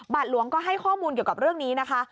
หลวงก็ให้ข้อมูลเกี่ยวกับเรื่องนี้นะคะ